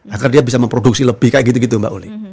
agar dia bisa memproduksi lebih kayak gitu gitu mbak uli